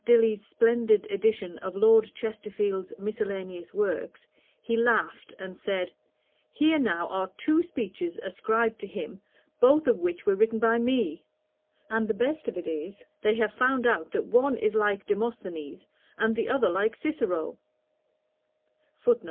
Dilly's splendid edition of Lord Chesterfield's miscellaneous works, he laughed, and said, 'Here now are two speeches ascribed to him, both of which were written by me: and the best of it is, they have found out that one is like Demosthenes, and the other like Cicero.'